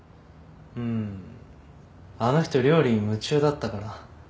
うんあの人料理に夢中だったから。